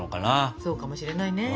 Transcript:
そうかもしれないね。